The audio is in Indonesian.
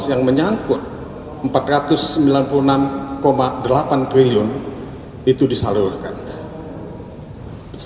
mudah mudahan mahkamah konstitusi melihat urgensi dari kehadiran menteri pmk dalam persidangan di mahkamah konstitusi